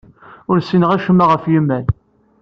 Ur ssineɣ acemma ɣef yimal.